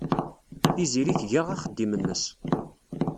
Tiziri tga axeddim-nnes.